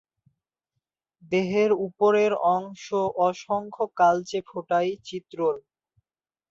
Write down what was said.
দেহের উপরের অংশ অসংখ্য কালচে ফোঁটায় চিত্রল।